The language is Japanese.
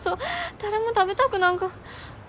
誰も食べたくなんか。